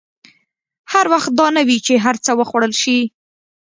هر وخت دا نه وي چې هر څه وخوړل شي.